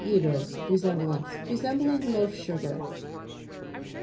eidos, resemblance. Resembling loaf sugar.